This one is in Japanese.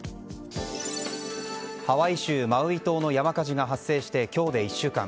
ハワイ州マウイ島の山火事が発生して今日で１週間。